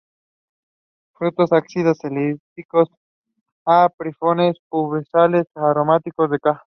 Frutos: ácidos, elípticos a piriformes, pubescentes, aromáticos, de ca.